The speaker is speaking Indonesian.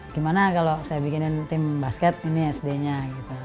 gimana kalau saya bikinin tim basket ini sd nya gitu